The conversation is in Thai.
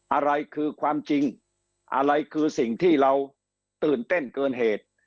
อะไรคือความจริงอะไรคือสิ่งที่เราตื่นเต้นเกินเหตุ